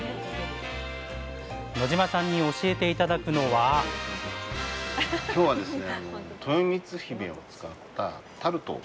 野島さんに教えて頂くのは今日はですね